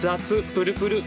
プルプル！